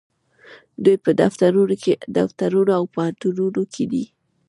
دوی په دفترونو او پوهنتونونو کې دي.